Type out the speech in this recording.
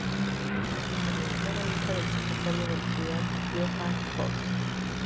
Era hija del secretario de la ciudad Johan Holt.